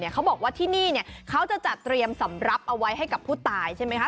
เขาบอกว่าที่นี่เขาจะจัดเตรียมสำรับเอาไว้ให้กับผู้ตายใช่ไหมคะ